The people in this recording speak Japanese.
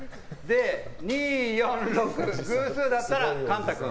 ２、４、６の偶数だったら貫汰君。